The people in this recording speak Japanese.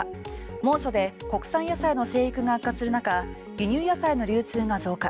猛暑で国産野菜の生育が悪化する中輸入野菜の流通の増加。